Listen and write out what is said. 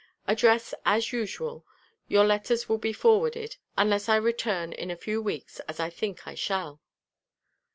Address as usual; your letters will be forwarded, unless I return in a few weeks, as I think I shall."